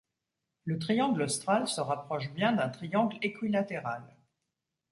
Le triangle austral se rapproche bien d'un triangle équilatéral.